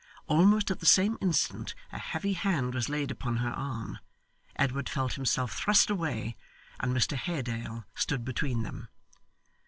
Almost at the same instant a heavy hand was laid upon her arm, Edward felt himself thrust away, and Mr Haredale stood between them.